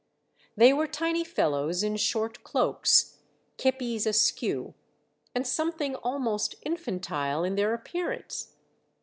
They were tiny fellows in short cloaks, kepis askew, and something almost infantile in their appearance.